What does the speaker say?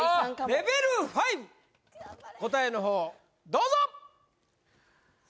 レベル５答えの方をどうぞ！